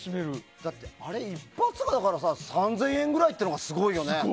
だって、あれ１発が３０００円ぐらいっていうのがすごいよね。